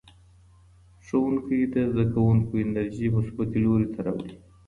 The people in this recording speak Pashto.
ښوونکی د زدهکوونکو انرژي مثبتې لوري ته راوړي.